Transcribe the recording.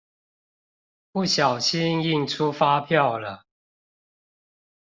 不小心印出發票了